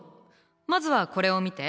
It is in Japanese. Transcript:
まずはこれを見て。